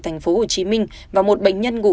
tp hcm và một bệnh nhân ngủ